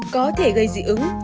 có thể gây dị ứng